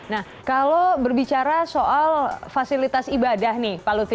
nah kalau berbicara soal fasilitas ibadah nih pak lutfi